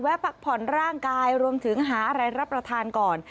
พักผ่อนร่างกายรวมถึงหาอะไรรับประทานก่อน